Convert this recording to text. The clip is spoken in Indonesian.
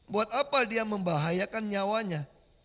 buat apa dia membahayakan nyawanya